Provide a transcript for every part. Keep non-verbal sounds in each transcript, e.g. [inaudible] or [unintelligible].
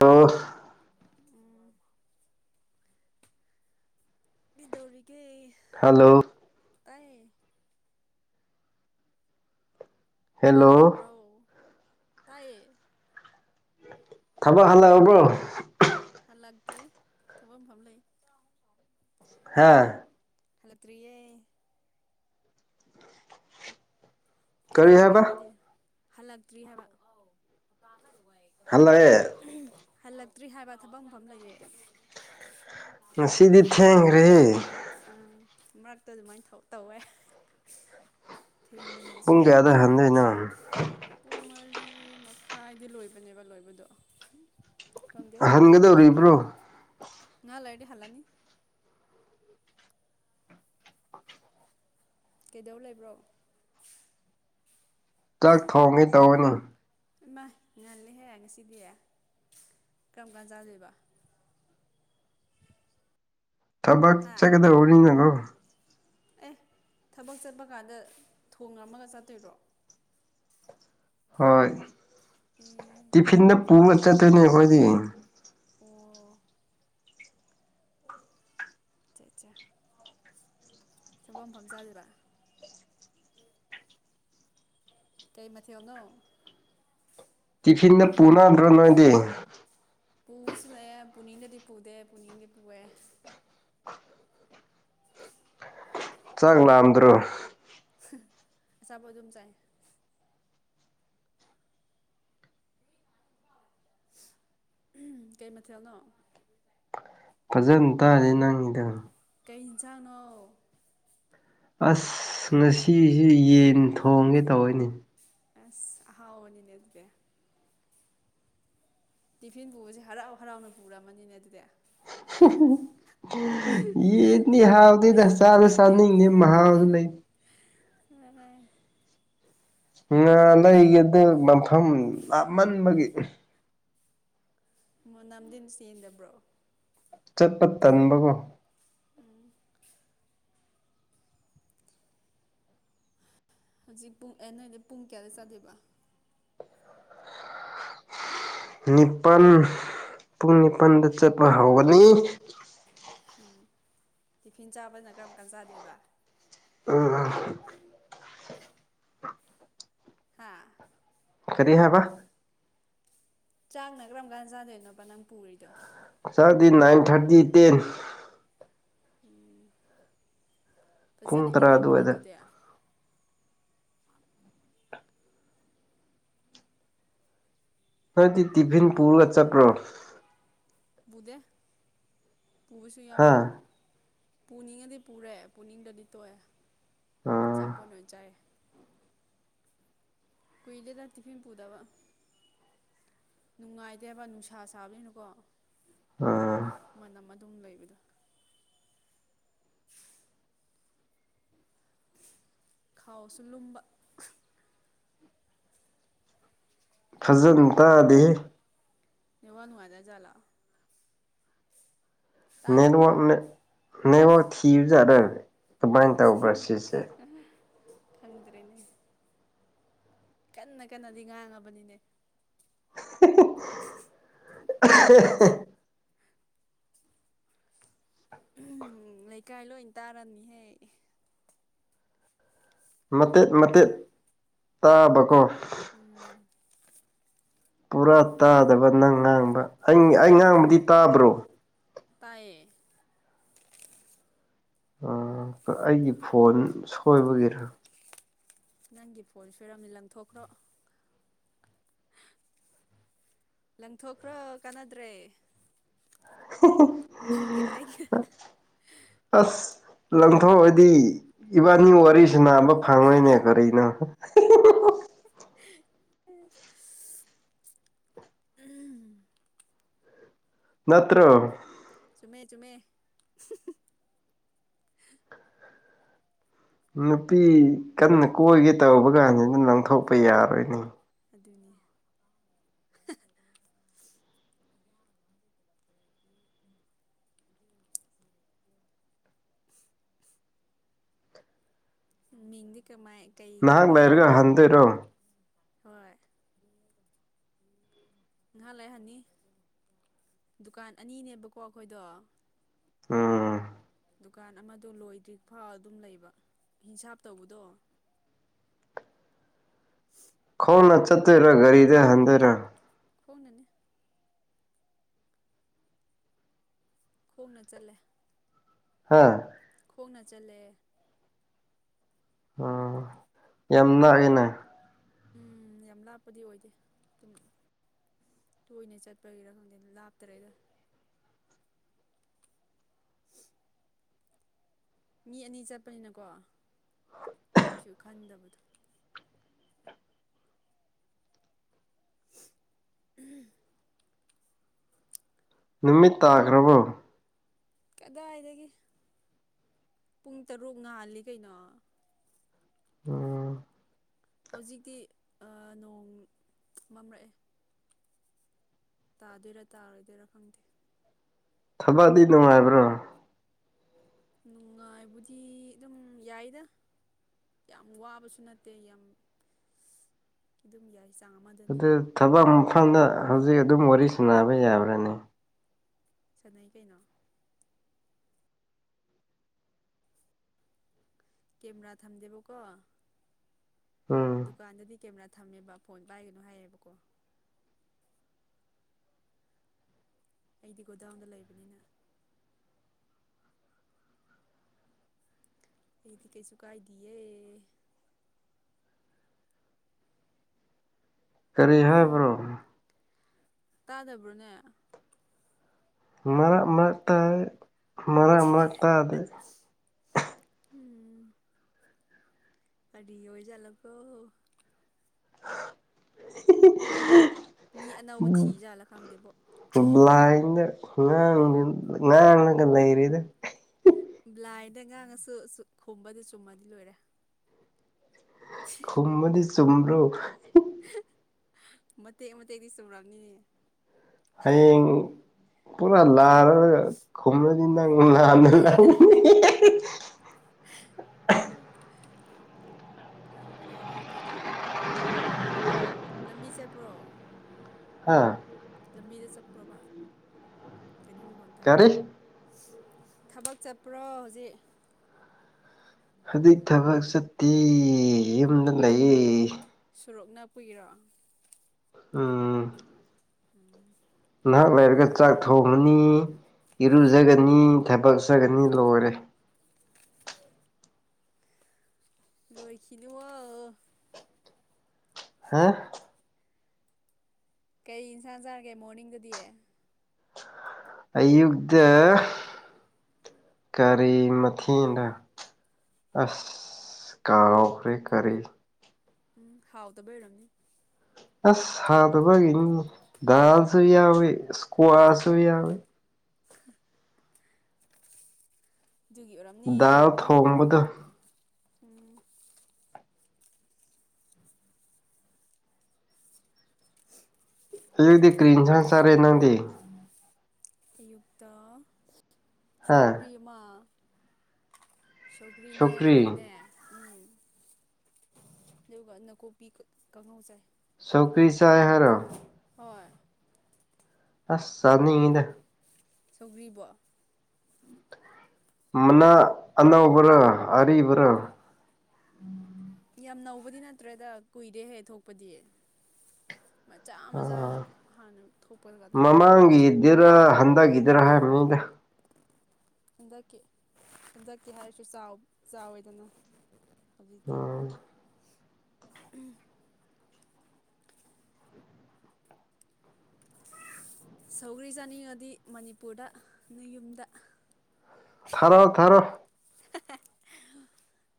Hello [unintelligible] ꯎꯝ ꯀꯤꯗꯧꯔꯤꯒꯦ hello ꯇꯥꯏꯌꯦ hello ꯇꯥꯗꯕ꯭ꯔꯣ ꯇꯥꯏꯌꯦ ꯊꯕꯛ ꯍꯜꯂꯛꯑꯕꯣ ꯍꯜꯂꯛꯇ꯭ꯔꯤ ꯊꯕꯛ ꯃꯐꯝ ꯂꯩꯌꯦ ꯍꯥ ꯍꯜꯂꯛꯇ꯭ꯔꯤꯌꯦ ꯀꯔꯤ ꯀꯩꯗꯧꯔꯤꯒꯦ ꯍꯥꯏꯕ ꯅꯣꯏꯗꯤ ꯍꯜꯂꯛꯇ꯭ꯔꯤ ꯍꯥꯏꯕ ꯍꯜꯂꯛꯑꯦ ꯍꯜꯂꯛꯇ꯭ꯔꯤ ꯍꯥꯏꯕ ꯊꯕꯛ ꯃꯐꯝ ꯂꯩꯌꯦ ꯉꯁꯤꯗꯤ ꯊꯦꯡꯈ꯭ꯔꯦ ꯑꯝ ꯃꯔꯛꯇ ꯑꯗꯨꯃꯥꯏꯅ ꯊꯧ ꯇꯧꯋꯦ ꯊꯦꯡꯕ ꯅꯨꯃꯤꯠ ꯁꯨ ꯄꯨꯡ ꯀꯌꯥꯗ ꯌꯥꯎꯋꯤ ꯍꯟꯗꯣꯏꯅꯣ ꯉꯟꯅꯁꯨ ꯄꯨꯡ ꯃꯔꯤ ꯃꯈꯥꯏꯗꯤ ꯂꯣꯏꯕꯅꯦꯕ ꯂꯣꯏꯕꯗꯣ ꯈꯪꯗꯦ ꯑꯍꯟꯒꯗꯧꯔꯤꯕ꯭ꯔꯣ ꯉꯥ ꯂꯩꯥꯔꯗꯤ ꯍꯜꯂꯅꯤ ꯀꯩꯗꯧ ꯂꯩꯕ꯭ꯔꯣ ꯆꯥꯛ ꯊꯣꯡꯒꯦ ꯇꯧꯒꯅꯤ ꯏꯃꯥꯏ ꯉꯜꯂꯦꯍꯦ ꯉꯁꯤꯗꯤ ꯀꯔꯝ ꯀꯥꯟ ꯆꯥꯗꯣꯏꯕ ꯊꯕꯛ ꯍꯥ ꯆꯠꯀꯗꯧꯕꯅꯤꯅꯒꯣ ꯑꯦ ꯊꯕꯛ ꯆꯠꯄ ꯀꯥꯟꯗ ꯊꯣꯡꯂꯝꯃꯒ ꯆꯠꯇꯣꯏꯔꯣ ꯍꯣꯏ ꯑꯦ ꯇꯤꯐꯤꯟꯅ ꯄꯨꯅ ꯆꯠꯇꯣꯏꯅꯦ ꯑꯩꯈꯣꯏꯗꯤ ꯑꯣ ꯆꯥ ꯆꯥ ꯊꯕꯛ ꯃꯐꯝ ꯆꯥꯗꯣꯏꯕ ꯀꯩ ꯃꯊꯦꯜꯅꯣ ꯇꯤꯐꯤꯟꯗ ꯄꯨꯅꯍꯟꯗ꯭ꯔꯣ ꯅꯣꯏꯗꯤ ꯄꯨꯕꯁꯨ ꯂꯩꯌꯦ ꯄꯨꯅꯤꯡꯗꯗꯤ ꯄꯨꯗꯦ ꯄꯨꯅꯤꯡꯗꯤ ꯄꯨꯌꯦ ꯆꯥꯛ ꯂꯥꯝꯗ꯭ꯔꯣ ꯑꯆꯥꯄꯣꯠ ꯗꯨꯝ ꯆꯥꯏ ꯎꯝ ꯀꯩ ꯃꯊꯦꯜꯅꯣ ꯐꯖꯟ ꯇꯥꯗꯦ ꯅꯪꯒꯤꯗꯣ ꯀꯩ ꯍꯤꯟꯁꯥꯡꯅꯣ ꯑꯁ ꯉꯁꯤꯁꯤ ꯌꯦꯟ ꯊꯣꯡꯒꯦ ꯇꯧꯏꯅꯦ ꯑꯁ ꯑꯍꯥꯎꯕꯅꯤꯅꯦ ꯗꯨꯗꯤ ꯇꯤꯐꯤꯟ ꯄꯨꯕꯁꯦ ꯍꯔꯥꯎ ꯍꯔꯥꯎꯅ ꯄꯨꯔꯝꯃꯅꯤꯅꯦ ꯗꯨꯗꯤ ꯌꯦꯟꯅꯤ ꯍꯥꯎꯇꯦꯗ ꯆꯥꯅ ꯆꯥꯅꯤꯡꯉꯤ ꯃꯍꯥꯎꯗꯤ ꯂꯩ [unintelligible] ꯉꯥ ꯂꯩꯒꯦꯗ ꯃꯐꯝ ꯂꯥꯞꯃꯟꯕꯒꯤ ꯃꯅꯝꯗꯤꯟ ꯆꯦꯟꯗꯕ꯭ꯔꯣ ꯆꯠꯄ ꯇꯟꯕꯒꯣ ꯍꯧꯖꯤꯛ ꯄꯨꯡ ꯑꯦ ꯅꯣꯏꯗꯤ ꯄꯨꯡ ꯀꯌꯥꯗ ꯆꯠꯂꯤꯕ [inaudible] ꯅꯤꯄꯥꯟ ꯄꯨꯡ ꯅꯤꯄꯟꯗ ꯆꯠꯄ ꯍꯧꯒꯅꯤ ꯎꯝ ꯇꯤꯐꯤꯟ ꯆꯥꯕꯅ ꯀꯔꯝ ꯀꯥꯟ ꯆꯥꯗꯣꯏꯕ ꯎꯝ ꯍꯥꯥ ꯀꯔꯤ ꯍꯥꯏꯕ ꯆꯥꯛꯅ ꯀꯔꯝ ꯀꯥꯟ ꯆꯥꯗꯣꯏꯅꯣꯕ ꯅꯪ ꯄꯨꯔꯤꯗꯣ ꯆꯥꯛꯗꯤ ꯅꯥꯏꯟ ꯊꯔꯇꯤ ꯇꯦꯟ ꯄꯨꯡ ꯐꯖꯅ ꯇꯔꯥ ꯏꯪꯔꯝꯃꯅꯤ ꯑꯗꯨꯋꯥꯏꯗ ꯗꯨꯗꯤ ꯅꯪꯗꯤ ꯇꯤꯐꯤꯟ ꯄꯨꯔꯒ ꯆꯠꯄ꯭ꯔꯣ ꯄꯨꯗꯦ ꯄꯨꯕꯁꯨ ꯍꯥ ꯌꯥꯎꯋꯦ ꯄꯨꯅꯤꯡꯉꯗꯤ ꯄꯨꯔꯦ ꯄꯨꯅꯤꯡꯗꯗꯤ ꯇꯣꯛꯑꯦ ꯑꯥ ꯆꯄꯣꯠ ꯑꯣꯏꯅ ꯆꯥꯏꯌꯦ ꯀꯨꯏꯗꯦꯗ ꯇꯤꯐꯤꯟ ꯄꯨꯗꯕ ꯅꯨꯡꯉꯥꯏꯗꯦꯕ ꯅꯨꯡꯁꯥ ꯁꯥꯕꯅꯤꯅꯀꯣ ꯑꯥ ꯃꯅꯝ ꯑꯗꯨꯝ ꯂꯩꯕꯗꯣ ꯈꯥꯎꯁꯨ ꯂꯨꯝꯕ ꯐꯖꯟ ꯇꯥꯗꯦꯍꯦ ꯅꯦꯠꯋꯥꯛ ꯅꯨꯡꯉꯥꯏꯇꯖꯥꯠꯂ ꯇꯥꯗꯕ꯭ꯔꯣ ꯅꯦꯠꯋꯥꯔꯛ ꯅꯦꯠꯋꯥꯔꯛ ꯊꯤꯕꯖꯥꯠꯂ ꯈꯪꯗ꯭ꯔꯦꯅꯦ ꯀꯟꯅ ꯀꯟꯅꯗꯤ ꯉꯥꯡꯉꯕꯅꯤꯅꯦ [unintelligible] ꯂꯩꯀꯥꯏ ꯂꯣꯏ ꯇꯥꯔꯝꯅꯤꯍꯦ ꯃꯇꯦꯠ ꯃꯇꯦꯠ ꯇꯥꯕꯀꯣ ꯎꯝ ꯄꯨꯔꯥ ꯇꯥꯗꯕ ꯅꯪ ꯉꯥꯡꯕ ꯑꯩ ꯑꯩ ꯉꯥꯡꯕꯗꯤ ꯇꯥꯕ꯭ꯔꯣ ꯇꯥꯏꯌꯦ ꯑꯣ ꯑꯩꯒꯤ ꯐꯣꯟ ꯁꯣꯏꯕꯒꯤꯔꯥ ꯅꯪꯒꯤ ꯐꯣꯟ ꯁꯣꯏꯔꯝꯅꯤ ꯂꯪꯊꯣꯛꯈ꯭ꯔꯣ ꯂꯪꯊꯣꯛꯈ꯭ꯔꯣ ꯀꯥꯟꯅꯗ꯭ꯔꯦ ꯅꯪꯒꯤꯔ ꯑꯩꯒꯤꯔ ꯑꯁ ꯂꯪꯊꯣꯛꯑꯗꯤ ꯏꯕꯥꯟꯅꯤ ꯋꯥꯔꯤ ꯁꯥꯟꯅꯅꯕ ꯐꯪꯉꯣꯏꯅꯦ ꯀꯔꯤꯅꯣ [unintelligible] ꯅꯠꯇ꯭ꯔꯣ ꯆꯨꯝꯃꯦ ꯆꯨꯝꯃꯦ ꯅꯨꯄꯤ ꯀꯟꯅ ꯀꯣꯏꯒꯦ ꯇꯧꯕ ꯀꯥꯟꯁꯤꯅ ꯂꯪꯊꯣꯛꯄ ꯌꯥꯔꯣꯏꯅꯦ ꯑꯗꯨꯅꯤ ꯃꯤꯡꯗꯤ ꯀꯃꯥꯏ ꯀꯩ ꯅꯍꯥꯛ ꯀꯧꯒꯦ ꯂꯩꯔꯒ ꯍꯟꯗꯣꯏꯔꯣ ꯍꯣꯏ ꯉꯥꯏꯍꯥꯛ ꯂꯩꯥꯔꯒ ꯍꯟꯅꯤ ꯗꯨꯀꯥꯟ ꯑꯅꯤꯅꯦꯕꯀꯣ ꯑꯩꯈꯣꯏꯗꯣ ꯎꯝ ꯗꯨꯀꯥꯟ ꯑꯃꯗꯣ ꯂꯣꯏꯗ꯭ꯔꯤ ꯐꯥꯎ ꯑꯗꯨꯝ ꯂꯩꯕ ꯍꯤꯡꯁꯥꯞ ꯇꯧꯕꯗꯣ [inaudible] ꯈꯣꯡꯅ ꯆꯠꯇꯣꯏꯔ ꯒꯥꯔꯤꯗ ꯍꯟꯗꯣꯏꯔ ꯈꯣꯡꯅꯅꯤ ꯈꯣꯡꯅ ꯆꯠꯂꯦ ꯍꯥꯥ ꯈꯣꯡꯅ ꯆꯠꯂꯦ ꯑꯣ ꯌꯥꯝ ꯅꯛꯑꯦꯅꯦ ꯎꯝ ꯌꯥꯝ ꯂꯥꯞꯄꯗꯤ ꯑꯣꯏꯗꯦ ꯑꯗꯨꯝ ꯇꯣꯏꯅ ꯆꯠꯄꯒꯤꯔꯥ ꯈꯪꯗꯦꯗ ꯂꯥꯞꯇ꯭ꯔꯦꯗ [unintelligible] ꯃꯤ ꯑꯅꯤ ꯆꯠꯄꯅꯤꯅꯀꯣ ꯀꯩꯁꯨ ꯈꯟꯗꯕꯗꯣ ꯎꯝꯍꯨꯝ ꯅꯨꯃꯤꯠ ꯇꯥꯈ꯭ꯔꯕꯣ ꯀꯗꯥꯏꯗꯒꯤ ꯄꯨꯡ ꯇꯔꯨꯛ ꯉꯥꯜꯂꯤ ꯀꯩꯅꯣ ꯑꯣ ꯍꯧꯖꯤꯛꯇꯤ ꯅꯣꯡ ꯃꯝꯔꯛꯑꯦ ꯇꯥꯗꯣꯏꯔꯥ ꯇꯥꯔꯣꯏꯗꯣꯏꯔꯥ ꯈꯪꯗꯦ ꯊꯕꯛꯗꯤ ꯅꯨꯡꯉꯥꯏꯕ꯭ꯔꯣ ꯅꯨꯡꯉꯥꯏꯕꯨꯗꯤ ꯑꯗꯨꯝ ꯌꯥꯏꯗ ꯌꯥꯝ ꯋꯥꯕꯁꯨ ꯅꯠꯇꯦ ꯌꯥꯝ ꯑꯗꯨꯝ ꯌꯥꯏ ꯆꯥꯡ ꯑꯃꯗꯅꯤ ꯑꯗꯨ ꯊꯕꯛ ꯃꯐꯝꯗ ꯍꯧꯖꯤꯛ ꯑꯗꯨꯝ ꯋꯥꯔꯤ ꯁꯥꯅꯕ ꯌꯥꯕ꯭ꯔꯅꯦ ꯁꯟꯅꯩ ꯀꯩꯅꯣ ꯀꯦꯝꯔꯥ ꯊꯝꯗꯦꯕꯀꯣ ꯎꯝ ꯗꯨꯀꯥꯟꯗꯗꯤ ꯀꯦꯃꯦꯔꯥ ꯊꯝꯃꯦꯕ ꯐꯣꯟ ꯄꯥꯏꯒꯅꯨ ꯍꯥꯏꯌꯦꯕꯀꯣ ꯑꯩꯗꯤ ꯒꯣꯗꯥꯎꯟꯗ ꯂꯩꯕꯅꯤꯅ ꯑꯩꯗꯤ ꯀꯩꯁꯨ ꯀꯥꯏꯗꯤꯌꯦ ꯀꯔꯤ ꯍꯥꯏꯕ꯭ꯔꯣ ꯇꯥꯗꯕ꯭ꯔꯣꯅꯦ ꯃꯔꯛ ꯃꯥꯛ ꯇꯥꯏ ꯃꯔꯛ ꯃꯔꯛ ꯇꯥꯗꯦ [inaudible] ꯍꯝ ꯀꯔꯤ ꯑꯣꯏꯖꯥꯂꯒꯣ [unintelligible] ꯃꯤ ꯑꯅꯧꯕ ꯊꯤ ꯖꯥꯜꯂꯥ ꯈꯪꯗꯦꯕꯣ ꯕ꯭ꯂꯥꯏꯟꯗ ꯉꯥꯡ ꯉꯥꯡꯉꯒ ꯂꯩꯔꯤꯗ ꯕ꯭ꯂꯥꯏꯟꯗ ꯉꯥꯡꯉꯁꯨ ꯈꯨꯝꯕꯗ ꯆꯨꯝꯃꯗꯤ ꯂꯣꯏꯔꯦ ꯈꯨꯝꯃꯗꯤ ꯆꯨꯝꯕ꯭ꯔꯣ ꯃꯇꯦꯛ ꯃꯇꯦꯛꯗꯤ ꯆꯨꯝꯔꯝꯅꯤ ꯍꯌꯦꯡ ꯄꯨꯔꯥ ꯂꯥꯔꯒ ꯈꯨꯝꯔꯗꯤ ꯅꯪ [unintelligible] ꯑꯥ ꯈꯪꯗ꯭ꯔꯦ ꯑꯗꯨꯗꯤ ꯂꯝꯕꯤ ꯆꯠꯄ꯭ꯔꯣ ꯍꯥ ꯂꯝꯕꯤꯗ ꯆꯠꯄ꯭ꯔꯣꯕ ꯒꯥꯔꯤ ꯃꯈꯣꯟ ꯇꯥꯏ ꯀꯔꯤ ꯊꯕꯛ ꯆꯠꯄ꯭ꯔꯣ ꯍꯧꯖꯤꯛ ꯍꯨꯖꯤꯛ ꯊꯕꯛ ꯆꯠꯇꯦ ꯌꯨꯝꯗ ꯂꯩꯌꯦ ꯁꯣꯔꯣꯛ ꯅꯛꯄꯒꯤꯔꯣ ꯎꯝ ꯎꯝ ꯅꯍꯥꯛ ꯂꯩꯔꯒ ꯆꯥꯛ ꯑꯗꯨꯒꯤꯅꯤꯅꯦ ꯊꯣꯡꯉꯅꯤ ꯏꯔꯨꯖꯒꯅꯤ ꯊꯕꯛ ꯆꯥꯒꯅꯤ ꯂꯣꯏꯔꯦ ꯂꯣꯏꯈꯤꯅꯨ ꯋꯣ ꯍꯥ ꯀꯩ ꯏꯟꯁꯥꯡ ꯆꯥꯔꯒꯦ ꯃꯣꯔꯅꯤꯡꯗꯗꯤ ꯑꯌꯨꯛꯇꯥ ꯀꯔꯤ ꯃꯊꯦꯜꯅꯣ ꯑꯁ ꯀꯥꯎꯈ꯭ꯔꯦ ꯀꯔꯤ ꯎꯝ ꯍꯥꯎꯇꯥꯕꯩ ꯑꯣꯏꯔꯝꯅꯤ ꯑꯁ ꯍꯥꯎꯇꯕꯒꯤꯅꯤ ꯗꯥꯜꯁꯨ ꯌꯥꯎꯋꯤ ꯏꯁꯀ꯭ꯋꯥꯁꯨ ꯌꯥꯎꯋꯤ ꯑꯗꯨꯒꯤ ꯑꯣꯏꯔꯝꯅꯤ ꯗꯥꯜ ꯀꯥꯎꯕꯗꯣ ꯊꯣꯡꯕꯗꯣ ꯎꯝ ꯍꯨꯖꯤꯛꯇꯤ ꯀ꯭ꯔꯤ ꯏꯟꯁꯥꯡ ꯆꯥꯔꯦ ꯅꯪꯗꯤ ꯑꯌꯨꯛꯇꯥ ꯍꯥ ꯁꯧꯒ꯭ꯔꯤ ꯃꯥ ꯁꯧꯒ꯭ꯔꯤꯅꯦ ꯁꯧꯒ꯭ꯔꯤ ꯑꯂꯨꯅꯦ ꯎꯝ ꯑꯗꯨꯒ ꯅꯥꯀꯨꯞꯄꯤ ꯀꯥꯡꯍꯧ ꯆꯥꯏ ꯁꯧꯀ꯭ꯔꯤ ꯆꯥꯏ ꯍꯥꯏꯔꯣ ꯍꯣꯏ ꯑꯁ ꯆꯥꯅꯤꯉꯤꯗ ꯁꯧꯒ꯭ꯔꯤꯕꯣ ꯃꯅꯥ ꯑꯅꯧꯕꯔꯥ ꯑꯔꯤꯕꯔꯥ ꯌꯥꯝ ꯅꯧꯕꯗꯤ ꯅꯠꯇ꯭ꯔꯦꯗ ꯀꯨꯏꯔꯦꯍꯦ ꯊꯣꯛꯄꯗꯤ ꯃꯆꯥ ꯃꯆꯥꯗꯨ ꯑꯥ ꯍꯥꯟꯅ ꯊꯣꯛꯄ ꯀꯥꯟꯗꯗꯤ ꯍꯦꯔꯥ ꯍꯥꯟꯗꯛꯒꯤꯗꯔꯥ ꯍꯥꯏꯝꯅꯤꯗꯥ ꯍꯟꯗꯛꯀꯤ ꯍꯟꯗꯛꯀꯤ ꯍꯥꯏꯔꯁꯨ ꯆꯥꯎ ꯆꯥꯎꯋꯦꯗꯅ ꯍꯧꯖꯤꯛꯇꯤ ꯎꯝ ꯁꯧꯒꯔ꯭ꯤ ꯆꯥꯅꯤꯡꯉꯗꯤ ꯃꯅꯤꯄꯨꯔꯗ ꯅꯣꯏ ꯌꯨꯝꯗ ꯊꯥꯔꯛꯑꯣ ꯊꯥꯔꯣꯑꯣ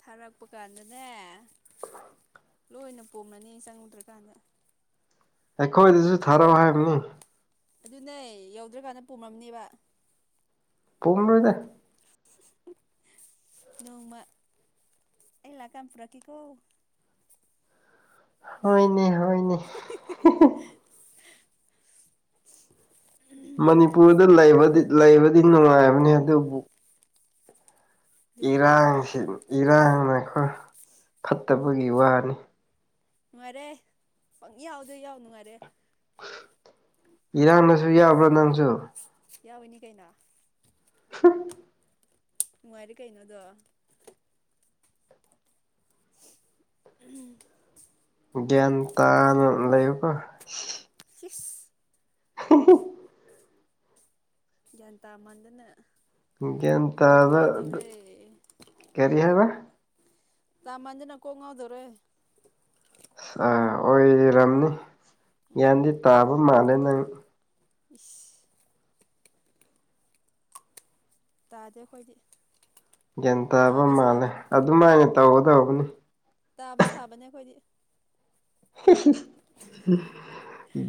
ꯊꯥꯔꯛꯄ ꯀꯥꯟꯗꯅꯦ ꯂꯣꯏꯅ ꯄꯨꯝꯔꯅꯤ ꯆꯪꯉꯨꯗ꯭ꯔꯀꯥꯟꯗ ꯑꯩꯈꯣꯏꯗꯁꯨ ꯊꯥꯔꯛꯑꯣ ꯍꯥꯏꯕꯅꯤ ꯑꯗꯨꯅꯦ ꯌꯧꯗ꯭ꯔꯀꯥꯟꯗ ꯄꯨꯨꯝꯔꯝꯅꯤꯕ ꯄꯨꯝꯔꯣꯏꯗꯥ ꯅꯣꯡꯃ ꯑꯩ ꯂꯥꯛ ꯀꯥꯟ ꯄꯨꯨꯔꯛꯀꯦꯀꯣ ꯍꯣꯏꯅꯦ ꯍꯣꯏꯅꯦ ꯃꯅꯤꯄꯨꯔꯗ ꯂꯩꯕꯗꯤ ꯂꯩꯕꯗꯤ ꯅꯨꯡꯉꯥꯏꯕꯅꯤ ꯑꯗꯨꯕꯨ ꯑꯗꯨꯕꯨ ꯀꯩꯗꯧꯔꯦ ꯏꯔꯥꯡꯁꯤ ꯏꯔꯥꯡꯅꯀꯣ ꯐꯠꯇꯕꯒꯤ ꯋꯥꯅꯤ ꯅꯨꯡꯉꯥꯏꯔꯦ ꯄꯪ ꯌꯥꯎꯗ ꯌꯥꯎ ꯅꯨꯡꯉꯥꯏꯔꯦ ꯏꯔꯥꯡꯅꯁꯨ ꯌꯥꯎꯕ꯭ꯔꯥ ꯅꯪꯁꯨ ꯌꯥꯎꯋꯤꯅꯤ ꯀꯩꯅꯣ [unintelligible] ꯅꯨꯡꯉꯥꯏꯔꯦ ꯀꯩꯅꯣꯗꯣ ꯎꯝ ꯒ꯭ꯌꯥꯟ ꯇꯥꯅ ꯂꯩꯌꯨꯀꯣ꯫ ꯁꯤꯁ꯫ [inaudible] ꯒ꯭ꯌꯥꯟ ꯇꯥꯃꯟꯗꯅ ꯒ꯭ꯌꯥꯟ ꯀꯣꯛ ꯇꯥꯕ ꯉꯥꯎꯗꯧꯔꯦ꯫ ꯀꯔꯤ ꯍꯥꯏꯕ꯫ ꯇꯥꯃꯟꯗꯅ ꯀꯣꯛ ꯉꯥꯎꯗꯣꯔꯦ꯫ ꯑꯥ ꯑꯣꯏꯔꯝꯅꯤ ꯌꯥꯟꯗꯤ ꯎꯝ ꯇꯥꯕ ꯃꯥꯜꯂꯦ ꯅꯪ꯫ ꯏꯁ꯫ ꯇꯥꯗꯦ ꯑꯩꯈꯣꯏꯗꯤ꯫ ꯒ꯭ꯌꯥꯟ ꯇꯥꯕ ꯃꯥꯜꯂꯦ ꯑꯗꯨꯃꯥꯏꯅ ꯇꯧꯒꯗꯧꯕꯅꯤ꯫ ꯇꯥꯕ ꯁꯥꯕꯅꯦ ꯑꯩꯈꯣꯏꯗꯤ꯫ [inaudible]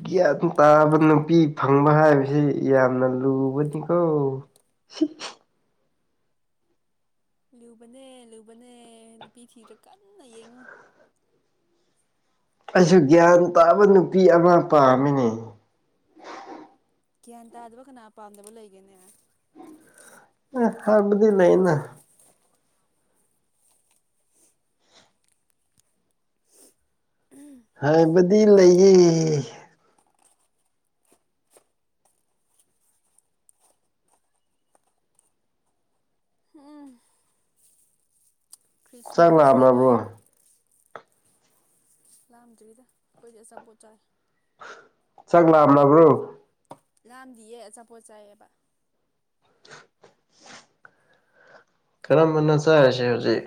ꯒ꯭ꯌꯥꯟ ꯇꯥꯕ ꯅꯨꯄꯤ ꯐꯪꯕ ꯍꯥꯏꯕꯁꯤ ꯌꯥꯝꯅ ꯂꯨꯕꯅꯤꯀꯣ꯫ [inaudible] ꯂꯨꯕꯅꯦ ꯂꯨꯕꯅꯦ ꯅꯨꯄꯤ ꯊꯤꯗꯔ꯭ ꯀꯟꯅ ꯌꯦꯡꯉꯣ꯫ ꯑꯩꯁꯨ ꯒ꯭ꯌꯥꯟ ꯇꯥꯕ ꯅꯨꯄꯤ ꯑꯃ ꯄꯥꯝꯃꯤꯅꯦ꯫ ꯒ꯭ꯌꯥꯟ ꯇꯥꯗꯕ ꯀꯅꯥ ꯄꯥꯝꯗꯕ ꯂꯩꯒꯦꯅꯦ꯫ ꯑꯦ ꯍꯥꯕꯗꯤ ꯂꯩꯅ꯫ ꯍꯥꯏꯕꯗꯤ ꯂꯩꯌꯦ꯫ [inaudible] ꯆꯥꯛ ꯈ꯭ꯔꯤꯁꯃꯥꯁꯀꯤ ꯂꯥꯝꯃꯕꯔꯣ꯫ ꯅꯣꯏ ꯂꯥꯝꯗ꯭ꯔꯤꯗ ꯈꯣꯏꯗꯤ ꯑꯆꯥꯄꯣꯠ ꯆꯥꯏ꯫ ꯆꯥꯛ ꯂꯥꯝꯃꯕ꯭ꯔꯣ꯫ ꯂꯥꯝꯗꯤꯌꯦ ꯑꯆꯥꯄꯣꯠ ꯆꯥꯏꯌꯦꯕ꯫ ꯀꯔꯝꯕꯅꯣ ꯆꯥꯔꯤꯁꯦ ꯍꯧꯖꯤꯛ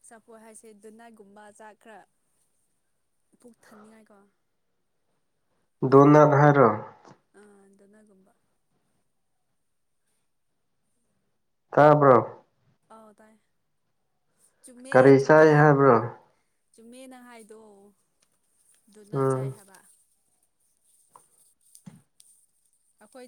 ꯑꯆꯥꯄꯣꯠ ꯍꯥꯏꯁꯦ ꯗꯨꯅꯥꯒꯨꯝꯕ ꯆꯥꯛ ꯈꯔ ꯄꯨꯛ ꯊꯟꯅꯤꯉꯥꯏ ꯀꯣ ꯗꯣꯅꯠ ꯍꯥꯏꯔꯣ ꯑꯥ ꯗꯣꯅꯠꯒꯨꯝꯕ ꯇꯥꯕ꯭ꯔꯣ ꯑꯥꯎ ꯇꯥꯏꯌꯦ ꯆꯨꯝꯃꯦ ꯀꯔꯤ ꯆꯨꯝꯃꯦ ꯆꯥꯏ ꯍꯥꯏꯕ꯭ꯔꯣ ꯆꯨꯝꯃꯦ ꯅꯪ ꯍꯥꯏꯗꯣ ꯗꯨꯅꯠ ꯎꯝ ꯆꯥꯏ ꯍꯥꯏꯕ ꯑꯩꯈꯣꯏ